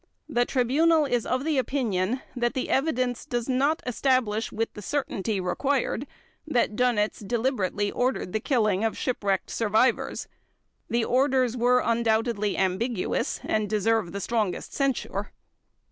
The Tribunal is of the opinion that the evidence does not establish with the certainty required that Dönitz deliberately ordered the killing of shipwrecked survivors. The orders were undoubtedly ambiguous, and deserve the strongest censure.